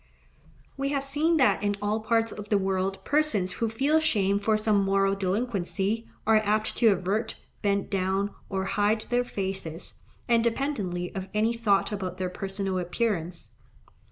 We have seen that in all parts of the world persons who feel shame for some moral delinquency, are apt to avert, bend down, or hide their faces, independently of any thought about their personal appearance.